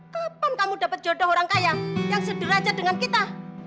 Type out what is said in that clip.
kapan kamu dapat jodoh orang kaya yang sederajat dengan kita